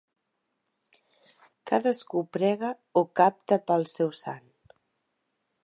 Cadascú prega o capta pel seu sant.